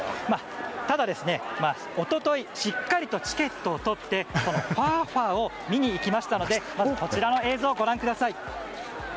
ただ、一昨日しっかりとチケットをとってファーファーを見ましたのでこちらの映像、ご覧ください。